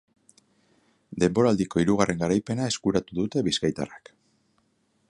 Denboraldiko hirugarren garaipena eskuratu dute bizkaitarrek.